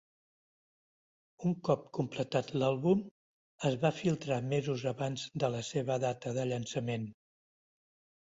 Un cop completat l'àlbum, es va filtrar mesos abans de la seva data de llançament.